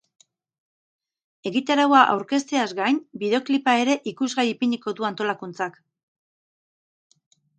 Egitaraua aurkezteaz gain, bideoklipa ere ikusgai ipini du antolakuntzak.